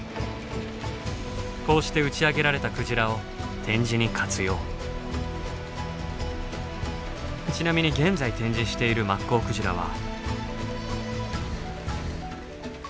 こうして打ち上げられたクジラをちなみに現在展示しているマッコウクジラは。